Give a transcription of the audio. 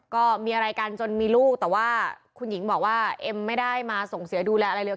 ก็มีอะไรกันจนมีลูกแต่ว่าคุณหญิงบอกว่าเอ็มไม่ได้มาส่งเสียดูแลอะไรเลย